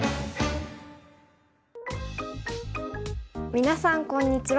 皆さんこんにちは。